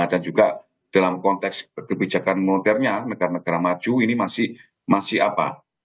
dan juga dalam konteks kebijakan modernya negara negara maju ini masih apa